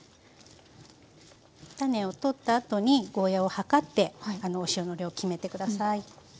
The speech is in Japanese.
種を取ったあとにゴーヤーを量ってお塩の量決めて下さい。